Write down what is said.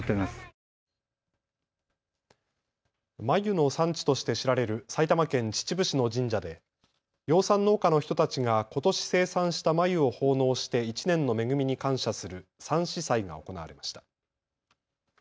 繭の産地として知られる埼玉県秩父市の神社で養蚕農家の人たちがことし生産した繭を奉納して１年の恵みに感謝する蚕糸祭が行われました。